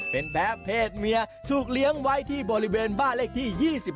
เป็นแพ้เพศเมียถูกเลี้ยงไว้ที่บริเวณบ้านเลขที่๒๕